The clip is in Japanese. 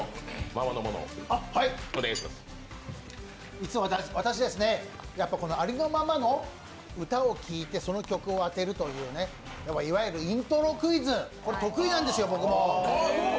実は私ですね、ありのままの歌を聴いて、その曲を当てるといういわゆるイントロクイズ、これ得意なんですよ、僕も。